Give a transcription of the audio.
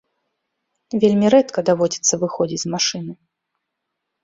Вельмі рэдка даводзіцца выходзіць з машыны.